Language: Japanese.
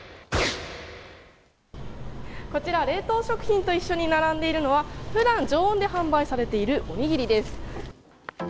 こちら、冷凍食品と一緒に並んでいるのは普段常温で販売されているおにぎりです。